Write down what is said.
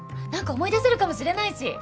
何か思い出せるかもしれないし。